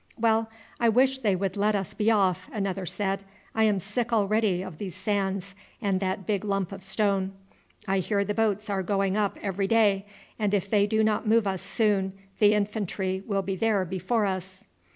"Well, I wish they would let us be off," another said. "I am sick already of these sands and that big lump of stone. I hear the boats are going up every day, and if they do not move us soon the infantry will be there before us."